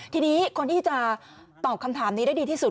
ทีนี้คนที่จะตอบคำถามนี้ได้ดีที่สุด